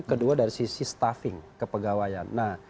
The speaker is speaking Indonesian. kedua dari sisi staffing kepegawaian